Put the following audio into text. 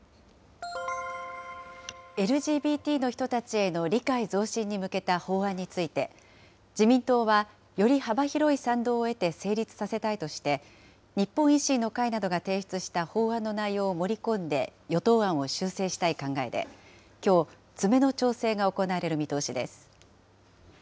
ＬＧＢＴの人たちへの理解増進に向けた法案について、自民党は、より幅広い賛同を得て、成立させたいとして、日本維新の会などが提出した法案の内容を盛り込んで、与党案を修正したい考えで、きょう、詰めの調整が行われる見通しです。